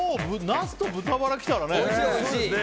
ナスと豚バラきたらね。